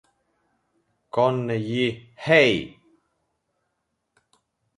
Con gli Hey!